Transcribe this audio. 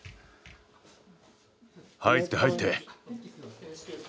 入って、入って。